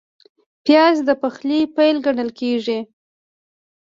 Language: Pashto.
پیاز د پخلي پیل ګڼل کېږي